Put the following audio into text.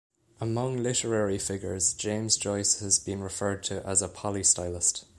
Among literary figures, James Joyce has been referred to as a polystylist.